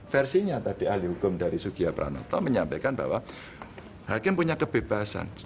versinya tadi ahli hukum dari sugiya pranoto menyampaikan bahwa hakim punya kebebasan